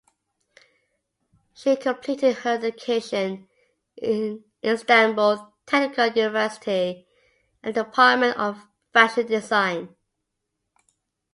She completed her education in Istanbul Technical University at the department of Fashion Design.